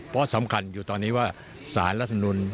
เพราะสำคัญอยู่ตอนนี้ว่าสารรัฐมนุน